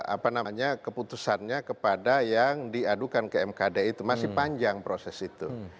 apa namanya keputusannya kepada yang diadukan ke mkd itu masih panjang proses itu